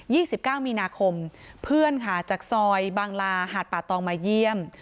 สิบเก้ามีนาคมเพื่อนค่ะจากซอยบางลาหาดป่าตองมาเยี่ยม